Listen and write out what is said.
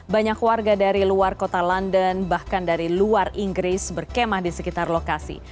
banyak warga dari luar kota london bahkan dari luar inggris berkemah di sekitar lokasi